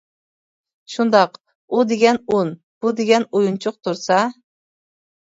-شۇنداق، ئۇ دېگەن ئۇن بۇ دېگەن ئويۇنچۇق تۇرسا.